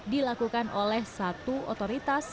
dilakukan oleh satu otoritas